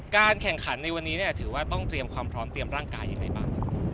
การแข่งขันในวันนี้ถือว่าต้องเตรียมความพร้อมเตรียมร่างกายยังไงบ้าง